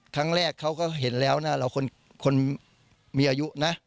ครั้งแรกเขาก็เห็นแล้วนะเราคนคนมีอายุนะ